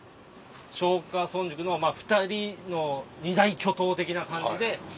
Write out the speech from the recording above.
松下村塾の２人の二大巨頭的な感じで。